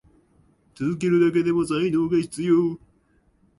続けるだけでも才能が必要。